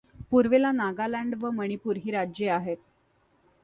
पूर्वेला नागालँड व मणिपूर ही राज्य आहेत.